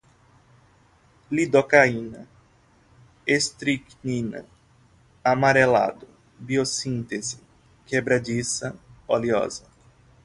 lidocaína, estricnina, amarelado, biossíntese, quebradiça, oleosa